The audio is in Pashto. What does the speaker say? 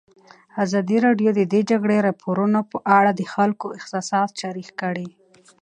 ازادي راډیو د د جګړې راپورونه په اړه د خلکو احساسات شریک کړي.